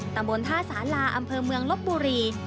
ตำบลท่าสาลาอำเภอเมืองลบบุรี